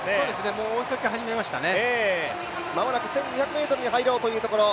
もう追いかけ始めましたね。